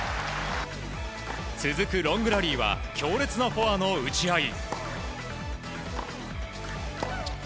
続くロングラリーは強烈なフォアの打ち合い。